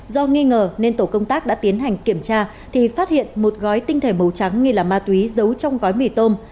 do nghi ngờ nên tổ công tác đã tiến hành kiểm tra thì phát hiện một gói tinh thể màu trắng nghi là ma túy giấu trong gói mì tôm